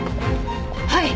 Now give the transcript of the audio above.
はい。